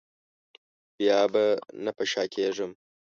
بیا به نه په شا کېږم.